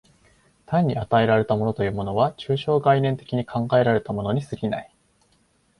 単に与えられたものというものは、抽象概念的に考えられたものに過ぎない。